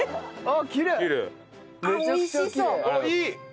あっいい！